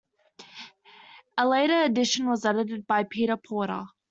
A later edition was edited by Peter Porter.